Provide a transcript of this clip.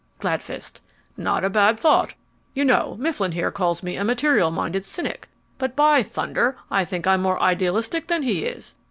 GLADFIST Not a bad thought. You know, Mifflin here calls me a material minded cynic, but by thunder, I think I'm more idealistic than he is.